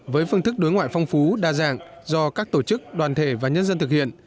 với phương thức đối ngoại phong phú đa dạng do các tổ chức đoàn thể và nhân dân thực hiện